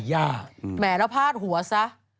แหมเราพลาดหัวซะ